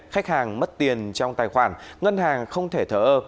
khách hàng mất tiền trong tài khoản ngân hàng không thể thở ơ